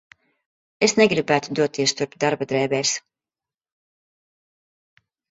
Es negribētu doties turp darba drēbēs.